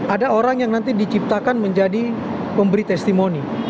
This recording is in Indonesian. ada orang yang nanti diciptakan menjadi pemberi testimoni